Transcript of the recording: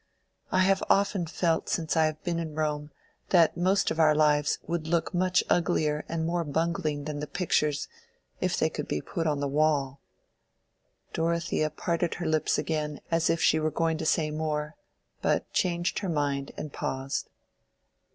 I have often felt since I have been in Rome that most of our lives would look much uglier and more bungling than the pictures, if they could be put on the wall." Dorothea parted her lips again as if she were going to say more, but changed her mind and paused.